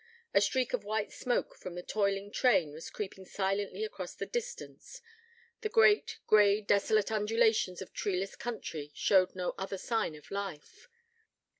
A streak of white smoke from a toiling train was creeping silently across the distance: the great, grey, desolate undulations of treeless country showed no other sign of life.